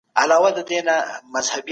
ولي شور او ځوږ د رواني نارامۍ لامل کېږي؟